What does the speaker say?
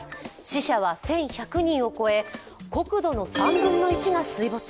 死者は１１００人を超え国土の３分の１が水没。